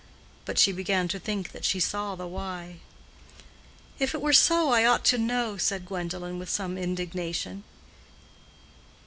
(But she began to think that she saw the why.) "If it were so, I ought to know," said Gwendolen, with some indignation.